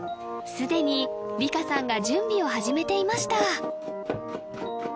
すでに理佳さんが準備を始めていました